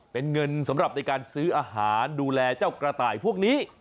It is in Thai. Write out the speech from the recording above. เป็นเงินสำหรับในการซื้ออาหารดูแลเจ้ากระต่ายพวกนี้